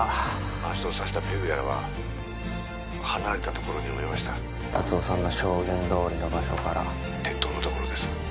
あの人を刺したペグやらは離れた所に埋めました達雄さんの証言どおりの場所から鉄塔の所です